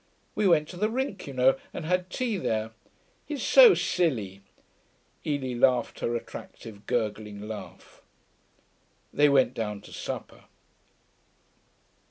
We went to the rink, you know, and had tea there. He's so silly.' Evie laughed her attractive, gurgling laugh. They went down to supper.